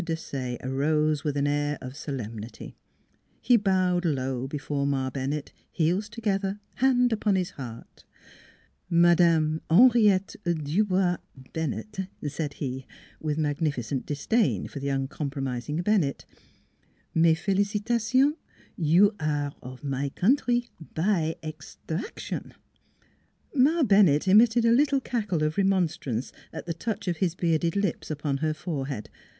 Desaye arose with an air of solemnity; he bowed low before Ma Bennett, heels together, hand upon his heart. " Madame Henriette Dubois Bennett," said he with magnificent disdain for the uncomprom NEIGHBORS 253 ising Bennett " mes felicitations: you aire of my countrie by extraction!" Ma Bennett emitted a little cackle of remon strance at the touch of his bearded lips upon her forehead.